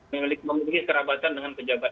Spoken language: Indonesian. memiliki kerabatan dengan pejabat